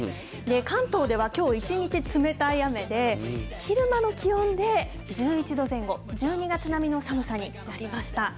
関東ではきょう一日、冷たい雨で、昼間の気温で１１度前後、１２月並みの寒さになりました。